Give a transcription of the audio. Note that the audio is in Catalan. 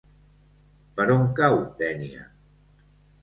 Per on cau Dénia?